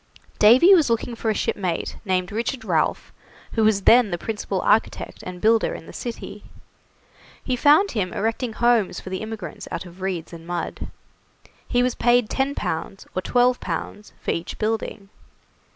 Davy was looking for a shipmate named Richard Ralph, who was then the principal architect and builder in the city. He found him erecting homes for the immigrants out of reeds and mud. He was paid 10 pounds or 12 pounds for each building.